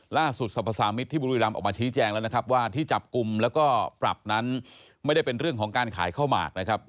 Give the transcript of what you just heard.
ล่าสุดสรรพสามิตรที่บุรีรำออกมาชี้แจงแล้วนะครับว่าที่จับกลุ่มแล้วก็ปรับนั้นไม่ได้เป็นเรื่องของการขายข้าวหมากนะครับ